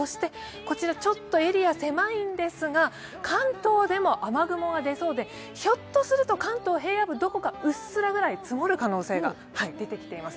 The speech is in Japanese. こちらちょっとエリア狭いんですが、関東でも雨雲が出そうで、ひょっとすると関東平野部、どこかうっすらぐらい積もる可能性が出ています。